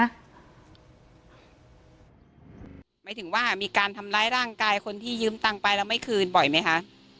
หมายถึงว่ามีการทำร้ายร่างกายคนที่ยืมตังค์ไปแล้วไม่คืนบ่อยไหมคะ